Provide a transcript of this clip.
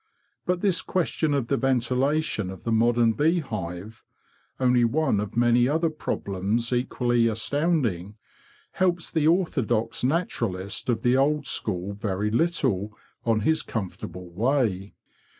But this question of the ventilation of the modern beehive—only one of many other problems equally astounding—helps the orthodox naturalist of the old school very little on his comfortable way.